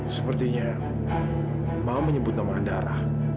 sepertinya ma menyebut nama andara